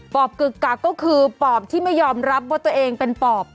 อบกึกกักก็คือปอบที่ไม่ยอมรับว่าตัวเองเป็นปอบ